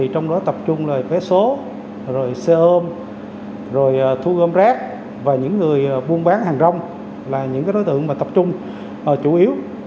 trong đó tập trung là vé số xe ôm rồi thu gom rác và những người buôn bán hàng rong là những đối tượng tập trung chủ yếu